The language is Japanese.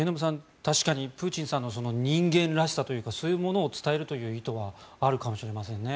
確かに、プーチンさんの人間らしさというかそういうものを伝えるという意図はあるかもしれませんね。